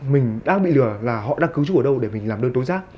mình đang bị lừa là họ đang cứu trúc ở đâu để mình làm đơn tối giác